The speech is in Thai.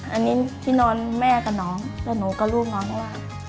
อันนี้ที่นอนแม่ก็หนองและหนูก็ลูกน้องก็ล่ะ